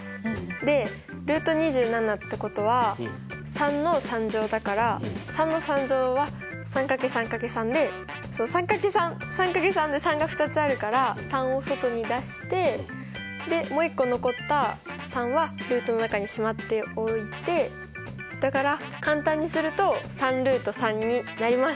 でってことは３の３乗だから３の３乗は３×３×３で３×３で３が２つあるから３を外に出してもう一個残った３はルートの中にしまっておいてだから簡単にすると３になります。